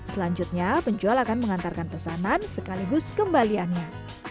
selanjutnya penjual akan mengantarkan pesanan sekaligus kembaliannya